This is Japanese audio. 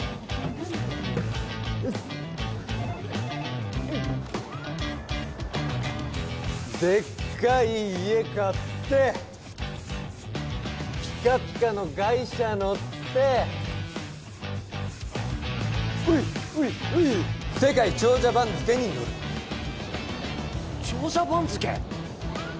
何あれうっすでっかい家買ってピカピカの外車乗ってほいほいほい世界長者番付に載る長者番付？